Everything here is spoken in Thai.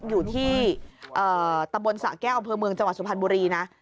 อยู่ที่เอ่อตำวนศาแก้วอำเภอเมืองจังหวัดสุภัณฑ์บุรีนะ